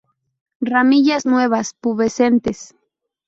Ramillas nuevas pubescentes.